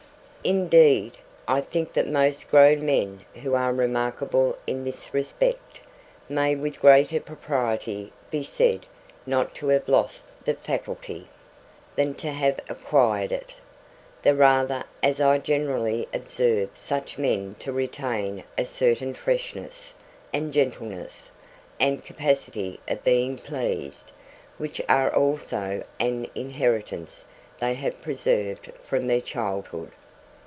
Indeed, I think that most grown men who are remarkable in this respect, may with greater propriety be said not to have lost the faculty, than to have acquired it; the rather, as I generally observe such men to retain a certain freshness, and gentleness, and capacity of being pleased, which are also an inheritance they have preserved from their childhood.